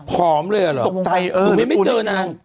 พี่ตกใจเลยนะ